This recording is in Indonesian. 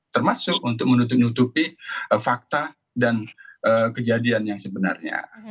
termasuk untuk menutup nutupi fakta dan kejadian yang sebenarnya